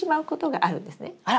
あら！